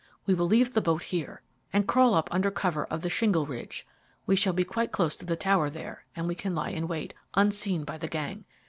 We will leave the boat here, and crawl up under cover of the shingle ridge. We shall be quite close to the tower there, and we can lie in wait, unseen by the gang.